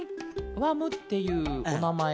「わむ」っていうおなまえと